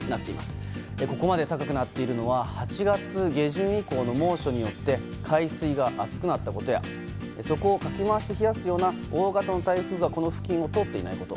ここまで高くなっているのは８月下旬以降の猛暑によって海水が熱くなったことや底をかき回して冷やすような大型の台風がこの付近を通っていないこと。